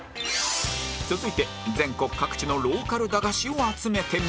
続いて全国各地のローカル駄菓子を集めてみた